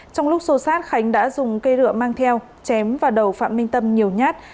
trong lúc xô xát khánh đã dùng cây rửa mang theo chém vào đầu phạm minh tâm nhiều nhát